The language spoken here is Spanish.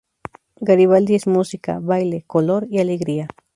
Garibaldi es música, baile, color y alegría.